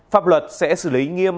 pháp luật sẽ xử lý nghiêm